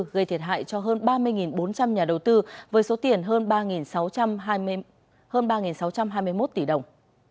gây thiệt hại cho hơn ba mươi bốn trăm linh nhà đầu tư với số tiền hơn ba sáu trăm hai mươi một tỷ đồng